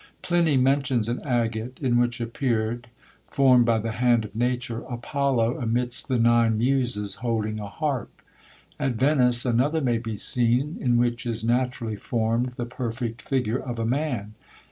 Pliny mentions an agate, in which appeared, formed by the hand of nature, Apollo amidst the Nine Muses holding a harp. At Venice another may be seen, in which is naturally formed the perfect figure of a man.